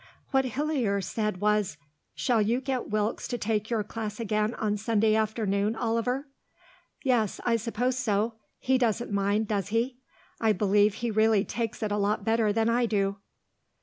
What Hillier said was, "Shall you get Wilkes to take your class again on Sunday afternoon, Oliver?" "Yes, I suppose so. He doesn't mind, does he? I believe he really takes it a lot better than I do."